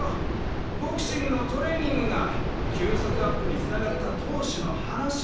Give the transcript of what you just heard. ボクシングのトレーニングが球速アップに繋がった投手の話。